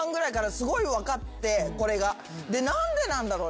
で何でなんだろう。